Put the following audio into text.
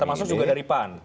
termasuk juga dari pan